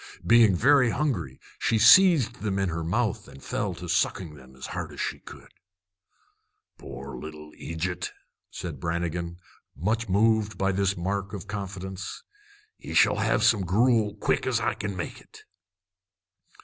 Being very hungry, she seized them in her mouth and fell to sucking them as hard as she could. "Pore little eejut," said Brannigan, much moved by this mark of confidence, "ye shall have some gruel quick as I kin make it."